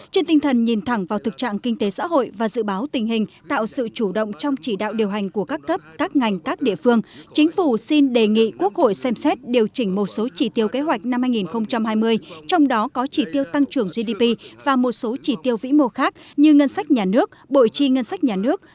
trên tinh thần nhìn thẳng vào thực trạng kinh tế xã hội và dự báo tình hình tạo sự chủ động trong chỉ đạo điều hành của các cấp các ngành các địa phương chính phủ xin đề nghị quốc hội xem xét điều chỉnh một số chỉ tiêu kế hoạch năm hai nghìn hai mươi trong đó có chỉ tiêu tăng trưởng gdp và một số chỉ tiêu vĩ mô khác như ngân sách nhà nước bộ chi ngân sách nhà nước